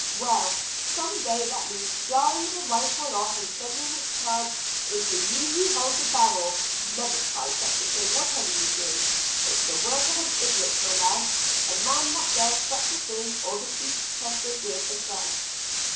"Well, some day that means jarring the rifle off and sending its charge into you who hold the barrel. Never try such a thing, whatever you do. It's the work of an idiot, my lads. A man that does such a thing oughtn't to be trusted with a gun."